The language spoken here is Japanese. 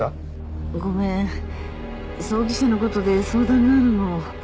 ごめん葬儀社のことで相談があるの。